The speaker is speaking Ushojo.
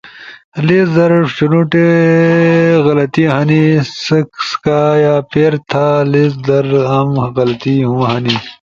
لیز در شُونوٹی غلطی ہنی سکایا پیر تھا۔ لیز در عام غلطی ہُم ہنی۔